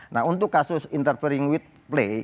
nah untuk kasus interpering with play